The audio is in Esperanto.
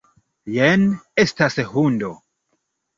Jen estas hundo.